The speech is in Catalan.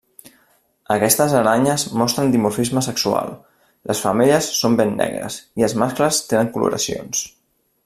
Aquestes aranyes mostren dimorfisme sexual; les femelles són ben negres; i els mascles tenen coloracions.